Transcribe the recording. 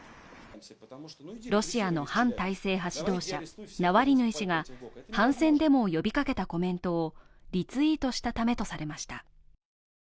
ロシアの反体制派指導者、ナワリヌイ氏が反戦デモを呼びかけたコメントをリツイートしたためとされました。